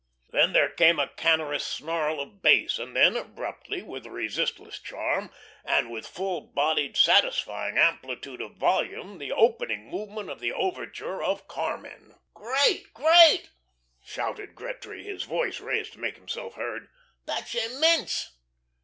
Then there came a canorous snarl of bass, and then, abruptly, with resistless charm, and with full bodied, satisfying amplitude of volume the opening movement of the overture of "Carmen." "Great, great!" shouted Gretry, his voice raised to make himself heard. "That's immense."